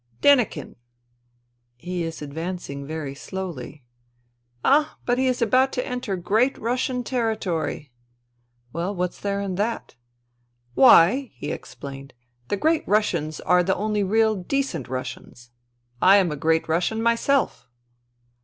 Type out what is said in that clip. " Denikin." " He is advancing very slowly." "Ah, but he is about to enter Great Russian territory." " Well, what's there in that ?"" Why," he explained, " the Great Russians are the only real decent Russians. I am a Great Russian myself."